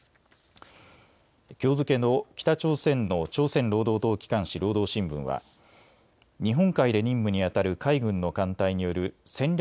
きょう付けの北朝鮮の朝鮮労働党機関紙、労働新聞は日本海で任務にあたる海軍の艦隊による戦略